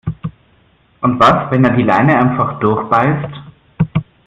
Und was, wenn er die Leine einfach durchbeißt?